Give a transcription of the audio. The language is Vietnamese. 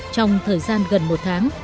trong thời gian gần một tháng